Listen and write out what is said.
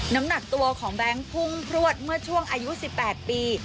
น้ำหนักตัวของแบงค์พุ่งพลวดเมื่อช่วงอายุ๑๘ปี